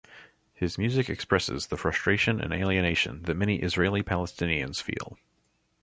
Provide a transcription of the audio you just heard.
His music expresses the frustration and alienation that many Israeli-Palestinians feel.